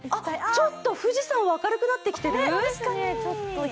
ちょっと、富士山は明るくなってきてる？